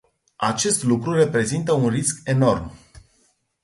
Acest lucru reprezintă un risc enorm.